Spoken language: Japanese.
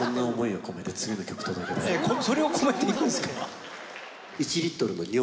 それを込めていくんすか？